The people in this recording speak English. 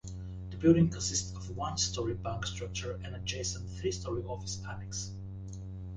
The building consists of a one-story bank structure and adjacent three-story office annex.